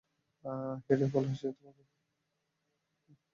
সেটাই বলেছি তোমাকে আমি।